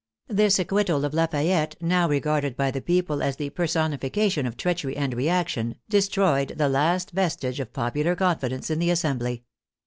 This acquittal of Lafayette, now regarded by the people as the personifi cation of treachery and reaction, destroyed the last vestige of popular confidence in the Assembly.